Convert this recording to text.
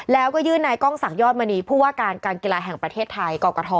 แล้วก็ยื่นนายกล้องศักดิยอดมณีผู้ว่าการการกีฬาแห่งประเทศไทยกรกฐ